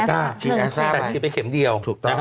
แต่ฉีดไปเข็มเดียว